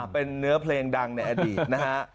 เป็นเนื้อเพลงดังในอดีตนะฮะ